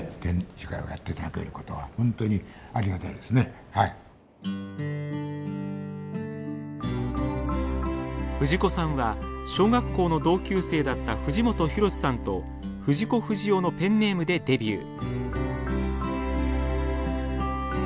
やっぱり藤子さんは小学校の同級生だった藤本弘さんと藤子不二雄のペンネームでデビュー。